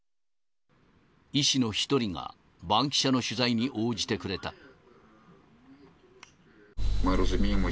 医師の１人が、バンキシャの取材に応じてくれた。